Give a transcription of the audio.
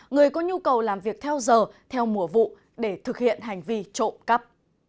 người có nhu cầu làm việc theo giờ theo mùa vụ để thực hiện hành vi trộm cắp